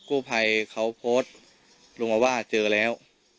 ที่กู้ไพเขาโพสลุงมาว่าเจอแล้ว